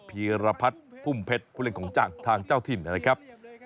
พีรพัฒน์พุ่มเพชรผู้เล่นของจากทางเจ้าถิ่นนะครับ